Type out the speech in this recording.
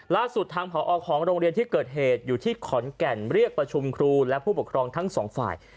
ล่าสุดทางผอของโรงเรียนที่เกิดเหตุอยู่ที่ขอนแก่นเรียกประชุมครูและผู้ปกครองทั้งสองฝ่าย